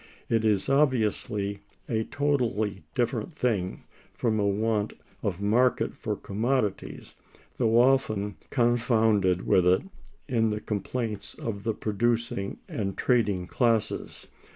(256) It is obviously a totally different thing from a want of market for commodities, though often confounded with it in the complaints of the producing and trading classes.